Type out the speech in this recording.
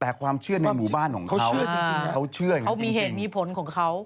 แต่ความเชื่อในหมู่บ้านของเขามีเหตุมีผลของเขา